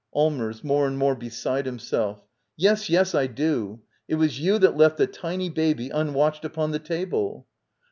Allmers. [More and more beside himself.] Xes, yes, I do! It was you that left the tiny baby unwatched upon the table.